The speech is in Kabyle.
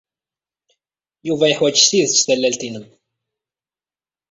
Yuba yeḥwaj s tidet tallalt-nnem.